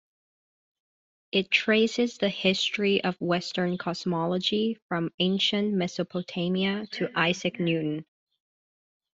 It traces the history of Western cosmology from ancient Mesopotamia to Isaac Newton.